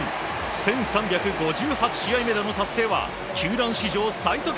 １３５８試合目での達成は球団史上最速。